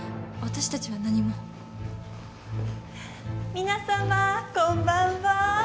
皆さまこんばんは。